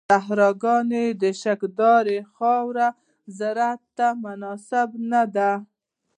د صحراګانو شګهداره خاوره زراعت ته مناسبه نه ده.